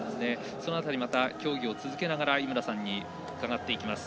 その辺り競技を続けながら井村さんに伺っていきます。